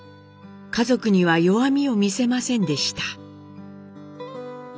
家族には弱みを見せませんでした。